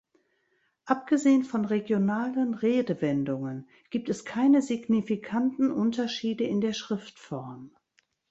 Abgesehen von regionalen Redewendungen gibt es keine signifikanten Unterschiede in der Schriftform.